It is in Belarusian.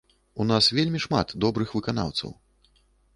У нас вельмі шмат добрых выканаўцаў.